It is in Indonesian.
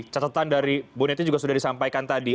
catatan dari bu neti juga sudah disampaikan tadi